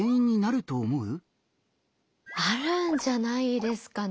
あるんじゃないですかね。